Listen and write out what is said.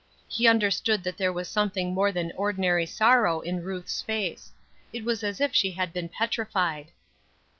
He understood that there was something more than ordinary sorrow in Ruth's face. It was as if she had been petrified.